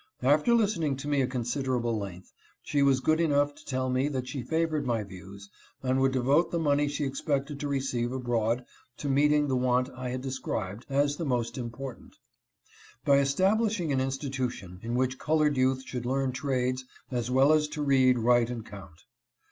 After listening to me at con siderable length, she was good enough to tell me that she favored my views, and would devote the money she expected to receive abroad to meeting the want I had described as the most important; hy establishing an institution in which colored youth should learn trades as well as to read, write, and count.